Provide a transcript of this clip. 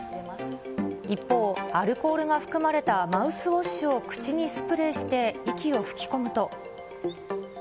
一方、アルコールが含まれたマウスウォッシュを口にスプレーして息を吹き込むと。